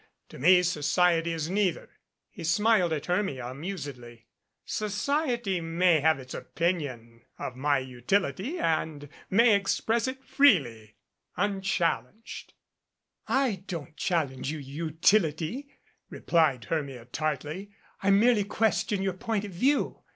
To me society is neither." He smiled at Hermia amusedly. "Society may have its opin 16 THE GORILLA ion of my utility and may express it freely unchal lenged." "I don't challenge your utility," replied Hermia tartly. "I merely question your point of view.